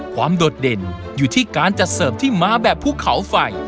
โดดเด่นอยู่ที่การจัดเสิร์ฟที่มาแบบภูเขาไฟ